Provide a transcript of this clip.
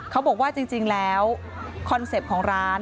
เขาบอกว่าจริงแล้วคอนเซ็ปต์ของร้าน